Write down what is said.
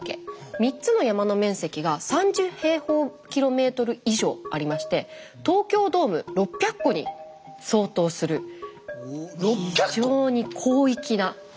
３つの山の面積が３０以上ありまして東京ドーム６００個に相当する非常に広域な。